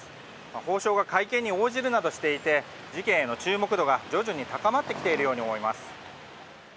法相が会見に応じるなどしていて事件への注目が徐々に高まってきているようです。